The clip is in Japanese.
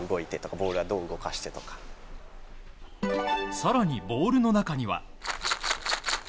更に、ボールの中には。